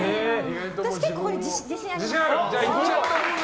私、結構これ自信あります。